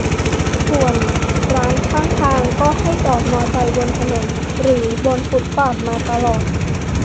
ส่วนร้านข้างทางก็ให้จอดมอไซค์บนถนนหรือบนฟุตบาทมาตลอด